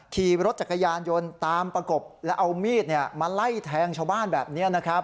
ขี่รถจักรยานยนต์ตามประกบแล้วเอามีดมาไล่แทงชาวบ้านแบบนี้นะครับ